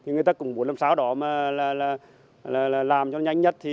người ta cũng muốn làm sao đó là làm cho nhanh nhất